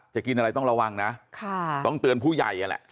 กินอะไรต้องระวังนะต้องเตือนผู้ใหญ่นั่นแหละ